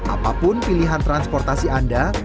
apapun pilihan transportasi anda